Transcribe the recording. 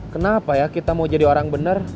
kenapa ya kita mau jadi orang benar